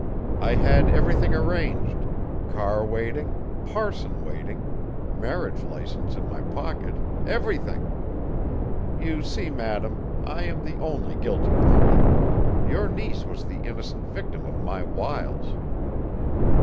I had everything arranged car waiting, parson waiting, marriage license in my pocket, everything! You see madam, I am the only guilty party. Your niece was the innocent victim of my wiles."